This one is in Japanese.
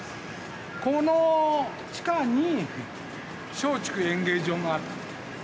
この地下に松竹演芸場があった。